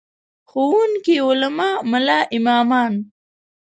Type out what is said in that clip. ښوونکي، علما، ملا امامان.